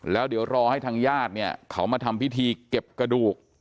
แล้วเดี๋ยวรอให้ทางญาติเนี่ยเขามาทำพิธีเก็บกระดูก